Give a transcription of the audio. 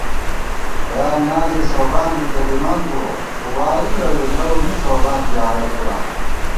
خیال نیازے ݭوبانبی تہ دِمان بُوَہ خو وارِی رَوےلَؤ می ݭوبان بی آیَہ پُراں